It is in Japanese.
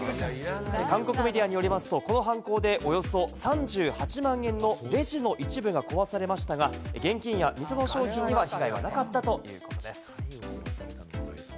韓国メディアによりますと、この犯行でおよそ３８万円のレジの一部が壊されましたが、現金や店の商品には被害がなかったということです。